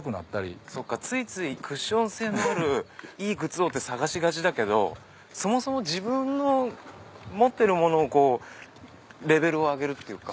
ついついクッション性のあるいい靴をって探しがちだけどそもそも自分の持ってるものをレベルを上げるっていうか。